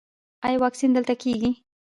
ایا واکسین دلته کیږي؟